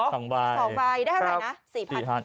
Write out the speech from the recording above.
๒รายได้เท่าไหร่